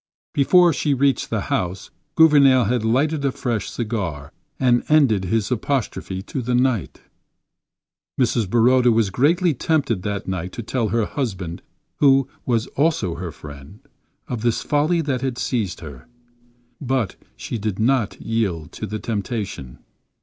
Before she reached the house, Gouvernail had lighted a fresh cigar and ended his apostrophe to the night. Mrs. Baroda was greatly tempted that night to tell her husband—who was also her friend—of this folly that had seized her. But she did not yield to the temptation.